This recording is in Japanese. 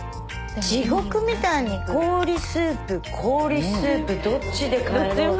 地獄みたいに氷スープ氷スープどっちで帰ろう。